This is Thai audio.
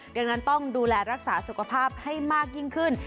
ดังนั้นต้องดูแลรักษาสุขภาพให้มากยิ่งขึ้น